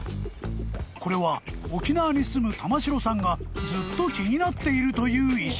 ［これは沖縄に住む玉城さんがずっと気になっているという石］